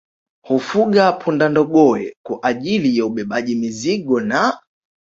Hufuga punda ndogowe kwa ajili ya ubebaji mizigo na